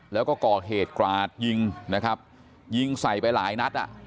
แล้วก็ก่อเหตุกราดยิงนะครับยิงใส่ไปหลายนัดอ่ะ